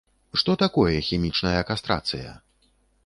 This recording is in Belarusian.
Што такое хімічная кастрацыя?